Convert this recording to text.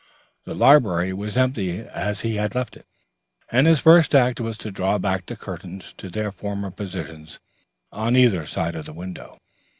The library was empty as he had left it, and his first act was to draw back the curtains to their former positions on either side of the window.